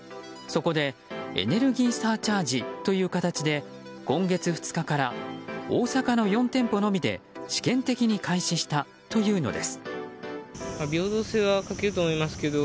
そこでエネルギーサーチャージという形で今月２日から大阪の４店舗のみで試験的に開始したというのです。